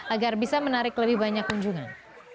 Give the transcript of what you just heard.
agar bisa menarik lebih banyak kunjungan